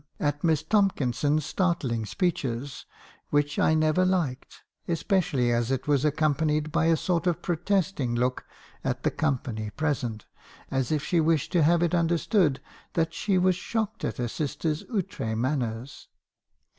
at Miss Tomkinson's startling speeches, which I never liked, — espe cially as it was accompanied by a sort of protesting look at the company present, as if she wished to have it understood that she was shocked at her sister's outre manners.